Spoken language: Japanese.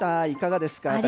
いかがですか？